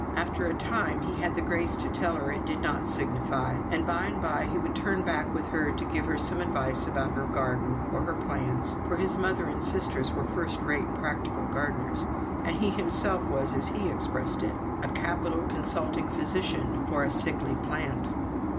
After a time he had the grace to tell her it did not signify; and by and by he would turn back with her to give her some advice about her garden, or her plants for his mother and sisters were first rate practical gardeners, and he himself was, as he expressed it, "a capital consulting physician for a sickly plant."